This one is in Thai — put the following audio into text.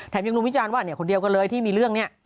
ยังดูวิจารณ์ว่าคนเดียวกันเลยที่มีเรื่องนี้